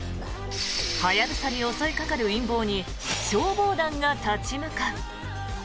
ハヤブサに襲いかかる陰謀に消防団が立ち向かう。